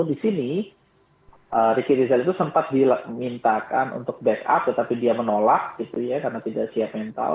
di sini ricky rizal itu sempat dimintakan untuk backup tetapi dia menolak gitu ya karena tidak siap mental